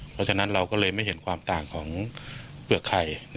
เพราะฉะนั้นเราก็เลยไม่เห็นความต่างของเปลือกไข่